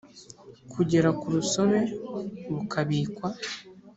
kugera ku rusobe bukabikwa